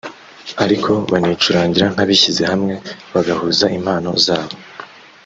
ariko banicurangira nk'abishyize hamwe bagahuza impano zabo